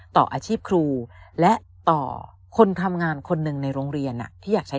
ต่ออาชีพครูและต่อคนทำงานคนหนึ่งในโรงเรียนที่อยากใช้